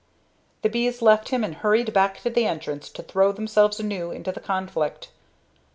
The bees left him and hurried back to the entrance to throw themselves anew into the conflict.